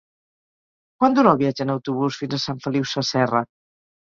Quant dura el viatge en autobús fins a Sant Feliu Sasserra?